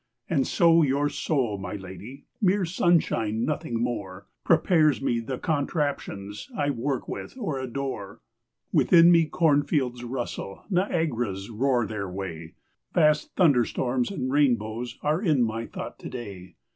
And so your soul, my lady (Mere sunshine, nothing more) Prepares me the contraptions I work with or adore. Within me cornfields rustle, Niagaras roar their way, Vast thunderstorms and rainbows Are in my thought to day.